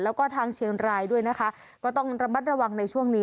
แล้วก็ทางเชียงรายด้วยนะคะก็ต้องระมัดระวังในช่วงนี้